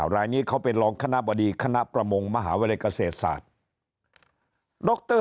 รายนี้เขาเป็นรองคณะบดีคณะประมงมหาวิทยาลัยเกษตรศาสตร์ดร